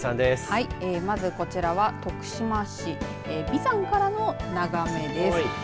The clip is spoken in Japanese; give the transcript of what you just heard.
はい、まず、こちらは徳島市眉山からの眺めです。